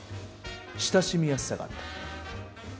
親しみやすさがあった。